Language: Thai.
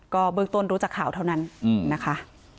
ก็เบื้องต้นรู้จักข่าวเท่านั้นนะคะ